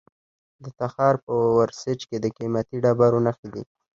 د تخار په ورسج کې د قیمتي ډبرو نښې دي.